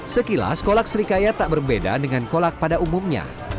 sekilas kolak serikaya tak berbeda dengan kolak pada umumnya